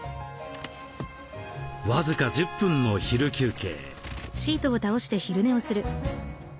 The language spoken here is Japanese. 僅か１０分の昼休憩。